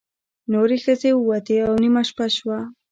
نورې ښځې ووتې او نیمه شپه شوه.